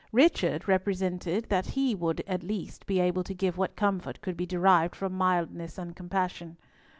Richard represented that he would, at least, be able to give what comfort could be derived from mildness and compassion.